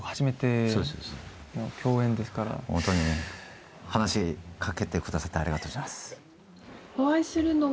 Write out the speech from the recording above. ホントに話し掛けてくださってありがとうございます。